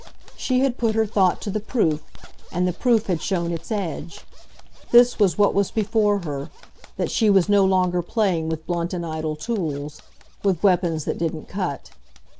She had put her thought to the proof, and the proof had shown its edge; this was what was before her, that she was no longer playing with blunt and idle tools, with weapons that didn't cut.